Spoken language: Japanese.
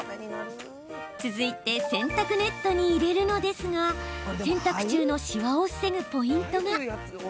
続いて洗濯ネットに入れるのですが洗濯中のシワを防ぐポイントが。